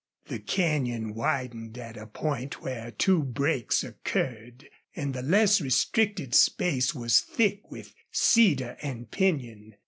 The canyon widened at a point where two breaks occurred, and the less restricted space was thick with cedar and pinyon.